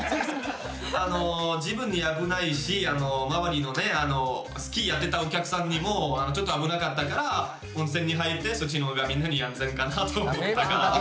あの自分に危ないし周りのスキーやってたお客さんにもちょっと危なかったから温泉に入ってそっちの方がみんなに安全かなと思ったから。